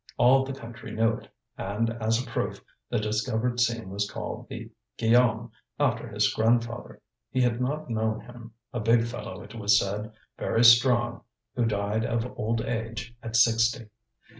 All the country knew it, and as a proof, the discovered seam was called the Guillaume, after his grandfather. He had not known him a big fellow, it was said, very strong, who died of old age at sixty.